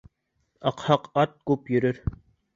Аҡһаҡ ат күп йөрөр.